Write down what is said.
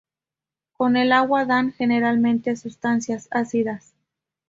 Con el agua dan generalmente sustancias ácidas.